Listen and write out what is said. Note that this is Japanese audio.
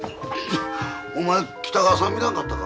お前北川さん見なかったか？